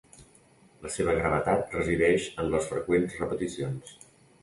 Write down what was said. La seva gravetat resideix en les freqüents repeticions.